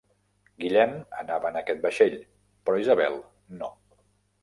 Guillem anava en aquest vaixell, però Isabel no.